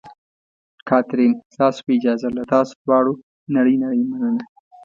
کاترین: ستاسو په اجازه، له تاسو دواړو نړۍ نړۍ مننه.